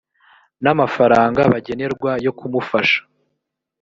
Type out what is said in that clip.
n amafaranga bagenerwa yo kumufasha